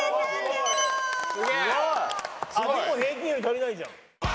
でも平均より足りないじゃん。